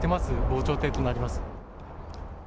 防潮堤となります。